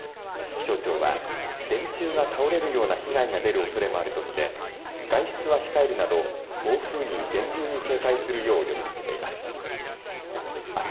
気象庁は電柱が倒れるような被害が出るおそれもあるとして外出は控えるなど暴風に厳重に警戒するよう呼びかけています。